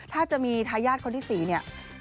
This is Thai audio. ถ้าจะมีทายาทคนที่๔เนี่ย